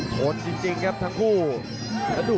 โหโหจรจริงครับทั้งคู่